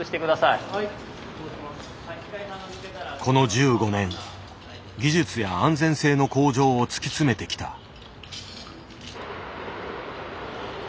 この１５年技術や安全性の向上を突き詰めてきた。